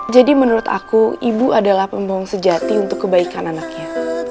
jadi menurut aku ibu adalah pembohong sejati untuk kebaikan anaknya